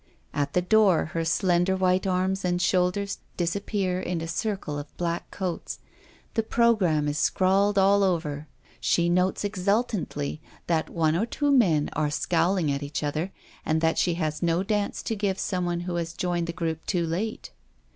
At the door her slender white arms and shoul ders disappear in a circle of black coats ; the programme is scrawled all over; she notes exultingly that one or two men are scowling at each other, and that she has no dance to give someone who has joined the group A YOUNG GIRL. 45 too late.